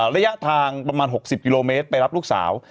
ระยะทางประมาณ๖๐กิโลเมตรไปรับลูกสาว